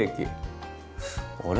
あれ？